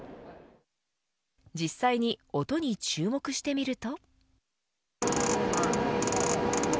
実際に音に注目してみると。